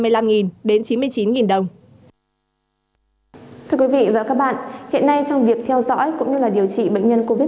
thưa quý vị và các bạn hiện nay trong việc theo dõi cũng như điều trị bệnh nhân covid một mươi